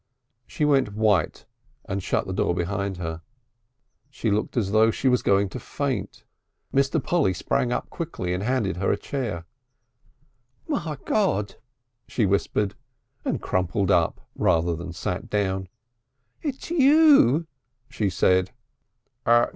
She went white and shut the door behind her. She looked as though she was going to faint. Mr. Polly sprang up quickly and handed her a chair. "My God!" she whispered, and crumpled up rather than sat down. "It's you" she said.